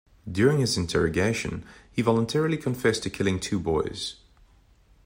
During his interrogation, he voluntarily confessed to killing two boys.